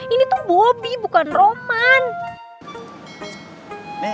ini tuh bobi bukan roman